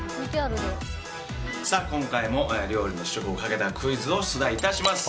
今回も料理の試食をかけたクイズを出題いたします。